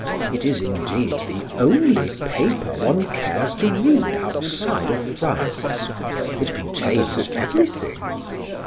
It is indeed the only paper one cares to read outside of France; it contains everything."